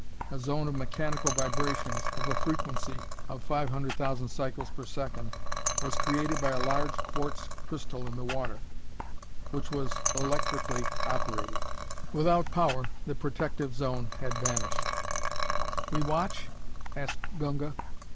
A zone of mechanical vibrations, of a frequency of 500,000 cycles per second, was created by a large quartz crystal in the water, which was electrically operated. Without power, the protective zone had vanished. "We watch?" asked Gunga.